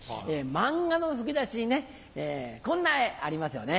漫画の吹き出しにこんな絵ありますよね。